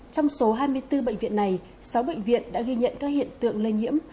trong số hai mươi bốn bệnh viện này sáu bệnh viện đã ghi nhận các hiện tượng lây nhiễm